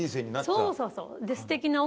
そうそうそう。